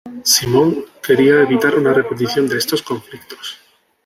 Simon quería evitar una repetición de estos conflictos.